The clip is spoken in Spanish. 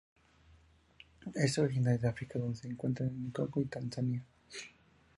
Es originaria de África donde se encuentra en el Congo y Tanzania.